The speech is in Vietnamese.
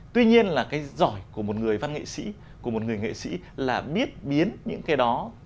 tuy nhiên là cái giỏi của một người văn nghệ sĩ của một người nghệ sĩ là biết biến những cái đó